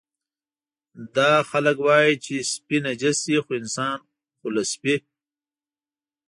دا خلک وایي چې سپي نجس دي، خو انسان خو له سپي.